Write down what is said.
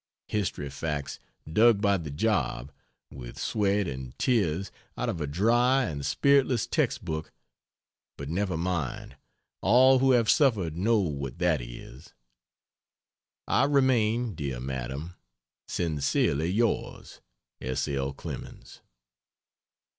History facts dug by the job, with sweat and tears out of a dry and spiritless text book but never mind, all who have suffered know what that is... I remain, dear madam, Sincerely yours, S. L. CLEMENS.